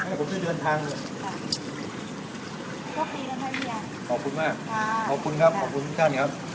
ผมจะเดินทางขอบคุณมากขอบคุณครับขอบคุณค่ะ